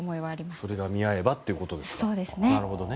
それが見合えばということですね。